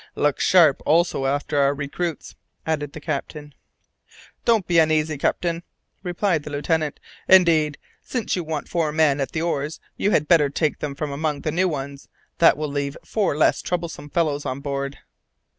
"Look sharp also after our recruits," added the captain. "Don't be uneasy, captain," replied the lieutenant. "Indeed, since you want four men at the oars you had better take them from among the new ones. That will leave four less troublesome fellows on board."